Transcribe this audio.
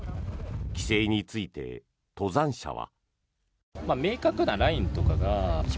規制について登山者は。